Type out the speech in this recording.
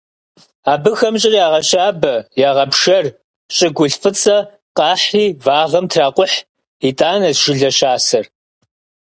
Абыхэм щӀыр ягъэщабэ, ягъэпшэр, щӀыгулъ фӀыцӀэ къахьри вагъэм тракъухь, итӀанэщ жылэ щасэр.